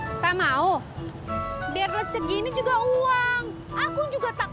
kenapa tak mau biar leceg ini juga uang aku juga tak